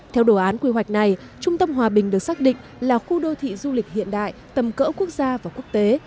theo đồ án quy hoạch này trung tâm hòa bình được xác định là khu đô thị du lịch hiện đại tầm cỡ quốc gia và quốc tế